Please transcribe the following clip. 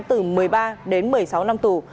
từ một mươi ba đến một mươi sáu năm tù